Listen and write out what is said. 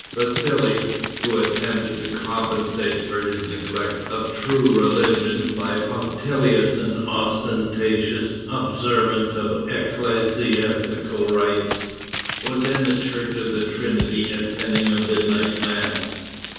Vassali, who attempted to compensate for his neglect of true religion by punctilious and ostentatious observance of ecclesiastical rites, was in the church of the Trinity attending a midnight mass.